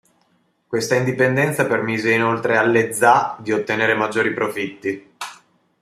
Questa indipendenza permise inoltre alle "za" di ottenere maggiori profitti.